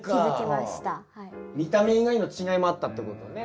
見た目以外の違いもあったってことね。